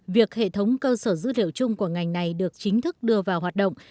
việc hệ thống cơ sở dữ liệu chung của ngành này được chính thức đưa vào hoạt động